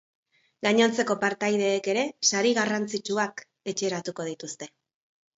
Gainontzeko partaideek ere sari garrantzitsuak etxeratuko dituzte.